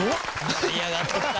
盛り上がってきた。